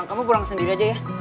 kamu pulang sendiri aja ya